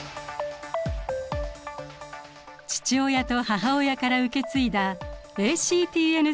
父親と母親から受け継いだＡＣＴＮ